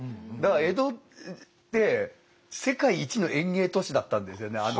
だから江戸って世界一の園芸都市だったんですよね